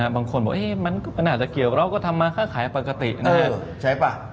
บางคนบอกมันอาจจะเกี่ยวเราก็ทำมาค่าขายปกติใช่ป่ะ